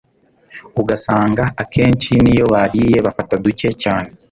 ugasanga akenshi niyo bariye bafata duke cyane